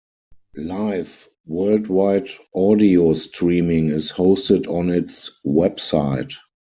Live worldwide audio streaming is hosted on its website.